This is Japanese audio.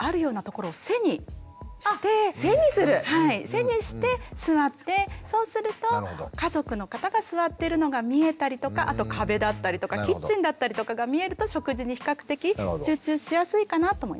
背にして座ってそうすると家族の方が座ってるのが見えたりとかあと壁だったりとかキッチンだったりとかが見えると食事に比較的集中しやすいかなと思います。